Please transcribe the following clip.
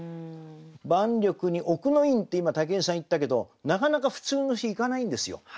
万緑に奥の院って今武井さん言ったけどなかなか普通の日行かないんですよ。